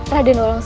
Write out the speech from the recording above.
raden orang susu